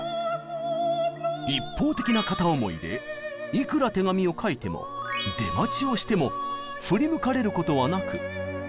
一方的な片思いでいくら手紙を書いても出待ちをしても振り向かれることはなく。